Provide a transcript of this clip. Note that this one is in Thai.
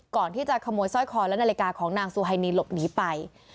ก่อนที่จะขโมยสร้อยคอและนาฬิกาของนางซูไฮนีหลบหนีไป